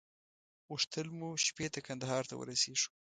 غوښتل مو شپې ته کندهار ته ورسېږو.